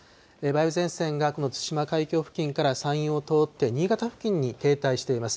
梅雨前線がこの対馬海峡付近から山陰を通って、新潟付近に停滞しています。